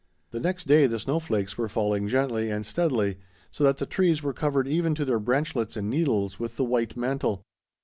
The next day the snow flakes were falling gently and steadily, so that the trees were covered even to their branchlets and needles with the white mantle.